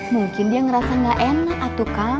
mungkin dia ngerasa nggak enak atuh kang